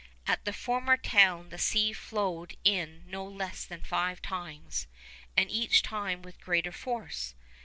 At the former town the sea flowed in no less than five times, and each time with greater force.